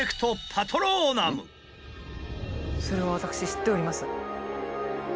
それは私知っております。